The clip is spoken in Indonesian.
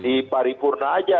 di paripurna aja